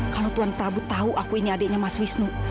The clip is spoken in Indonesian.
kalau tuan prabu tahu aku ini adiknya mas wisnu